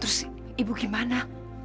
terus ibu gimana